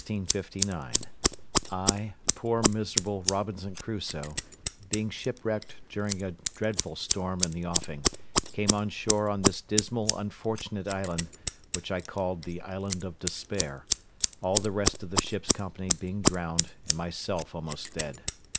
—I, poor miserable Robinson Crusoe, being shipwrecked during a dreadful storm in the offing, came on shore on this dismal, unfortunate island, which I called "The Island of Despair"; all the rest of the ship's company being drowned, and myself almost dead.